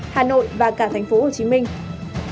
hà nội và cả thành phố hồ chí minh